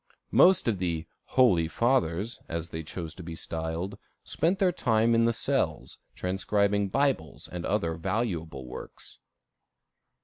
Most of the "Holy Fathers," as they chose to be styled, spent their time in the cells, transcribing Bibles and other valuable works.